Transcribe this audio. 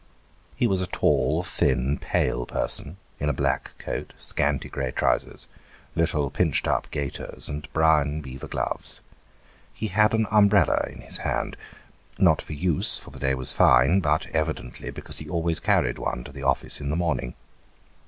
He was a tall, thin, pale person, in a bleck coat, scanty grey trousers, little pinched up gaiters, and brown beaver gloves. He had an umbrella in his hand not for use, for the day was fine but, evidently, because he always carried one to the office in the morning.